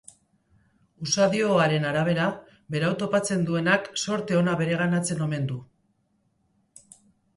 Usadioaren arabera, berau topatzen duenak zorte ona bereganatzen omen du.